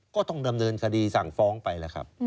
ก็ต้องดำเนินคดีสั่งฟ้องไปแล้วครับ